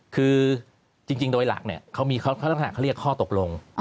คือจริงโดยหลักเขาเรียกข้อตกลง